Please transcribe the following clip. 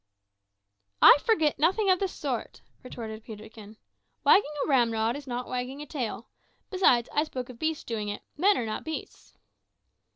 "I forget nothing of the sort," retorted Peterkin. "Wagging a ramrod is not wagging a tail. Besides, I spoke of beasts doing it; men are not beasts."